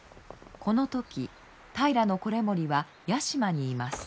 この時平維盛は屋島にいます。